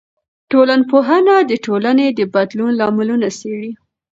ټولنپوهنه د ټولنې د بدلون لاملونه څېړي.